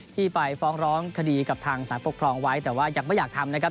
ที่ไปฟ้องร้องคดีกับทางสารปกครองไว้แต่ว่ายังไม่อยากทำนะครับ